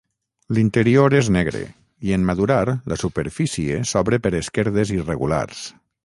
L'interior és negre i en madurar la superfície s'obre per esquerdes irregulars.